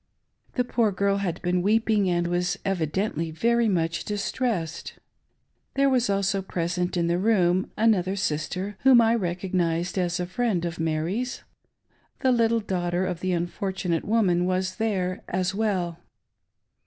The poor girl had been weeping, and was evidently very much dis tressed. There was also present in the room another sister, whom I recognised as a friend of Mary's. The little daughter of the unfortunate woman was there as well.